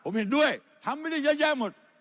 ผมเห็นด้วยทำไม่ได้เยอะแยะหมด